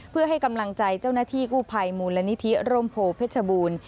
เพื่อให้กำลังใจเจ้าหน้าที่กู้ภัยมูลนิธิร่มโพเพชรบูรณ์